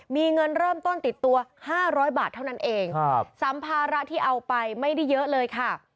มีเงินเริ่มต้นติดตัว๕๐๐บาทเท่านั้นเองสัมภาระที่เอาไปไม่ได้เยอะเลยค่ะ